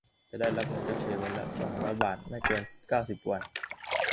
จะได้รับเงินชดเชยวันละ สองร้อย บาท ไม่เกิน เก้าสิบ วัน